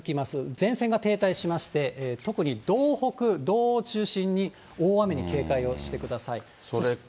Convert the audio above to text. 前線が停滞しまして、特に道北、道央を中心に大雨に警戒をしてください。